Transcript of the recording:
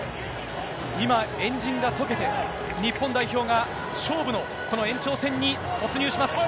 今、円陣が解けて、日本代表が勝負のこの延長戦に突入します。